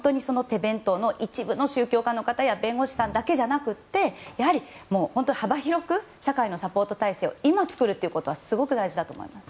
一部の宗教家の方や弁護士の方だけじゃなくてもう本当に幅広く社会のサポート体制を今作るということがすごく大事だと思います。